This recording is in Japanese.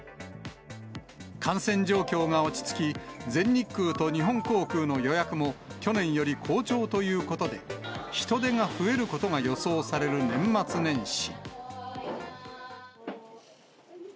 感染状況が落ち着き、全日空と日本航空の予約も去年より好調ということで、人出が増えることが予想される年末年始。